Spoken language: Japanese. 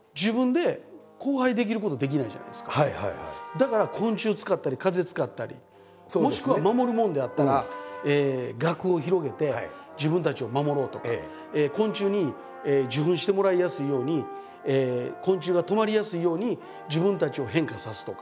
だから昆虫使ったり風使ったりもしくは守るものであったらがくを広げて自分たちを守ろうとか昆虫に受粉してもらいやすいように昆虫が止まりやすいように自分たちを変化さすとか。